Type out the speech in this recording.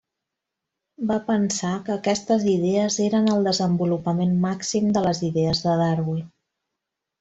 Va pensar que aquestes idees eren el desenvolupament màxim de les idees de Darwin.